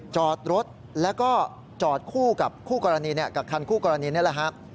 จอดรถแล้วก็จอดคู่กับคู่กรณีกับคันคู่กรณีนี่แหละครับ